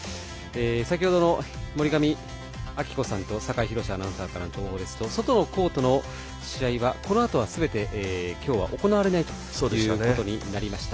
先程の森上亜希子さんと酒井博司アナウンサーからの情報ですと外のコートでの試合は今日は、このあとすべて行われないということになりました。